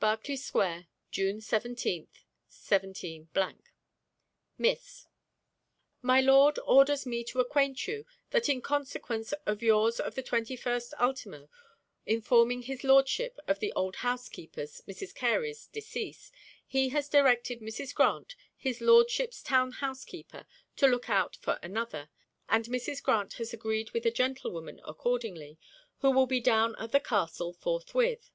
Berkeley Square, June 17, 17 'Miss, 'My Lord orders me to acquaint you, that in consequence of your's of the 21st ult. informing his Lordship of the old housekeeper's, Mrs. Carey's, decease, he has directed Mrs. Grant, his Lordship's town housekeeper, to look out for another; and Mrs. Grant has agreed with a gentlewoman accordingly, who will be down at the castle forthwith.